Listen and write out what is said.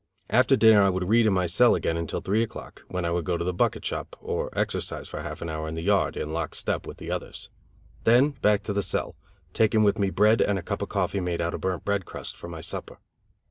After dinner I would read in my cell again until three o'clock, when I would go to the bucket shop or exercise for half an hour in the yard, in lock step, with the others; then back to the cell, taking with me bread and a cup of coffee made out of burnt bread crust, for my supper.